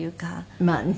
まあね。